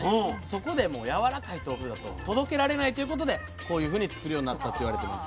そこでやわらかい豆腐だと届けられないということでこういうふうに作るようになったって言われてます。